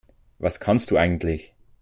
Was kannst du eigentlich?